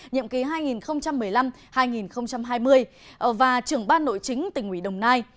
nhiệm ký hai nghìn một mươi năm hai nghìn hai mươi và trưởng ban nội chính tỉnh ủy đồng nai